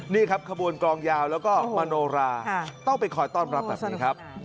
นี่ครับขบวนกลองยาวแล้วก็มโนราต้องไปคอยต้อนรับแบบนี้ครับ